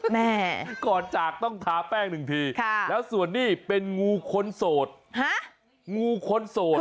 ก่อนจากต้องทาแป้งหนึ่งทีแล้วส่วนนี้เป็นงูคนโสดงูคนโสด